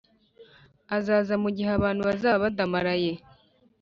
Azaza mu gihe abantu bazaba badamaraye